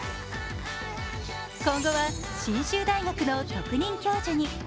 今後は信州大学の特任教授に。